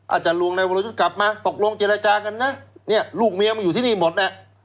อาจารย์ลวงนายวรยุทธ์กลับมาตกลงเจรจากันนะเนี่ยลูกเมียมันอยู่ที่นี่หมดน่ะ